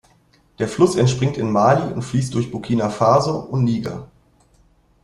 Der Fluss entspringt in Mali und fließt durch Burkina Faso und Niger.